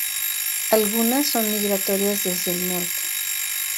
Algunas son migratorias desde el norte.